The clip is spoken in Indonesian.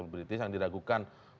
kalau masih ada anggota dpr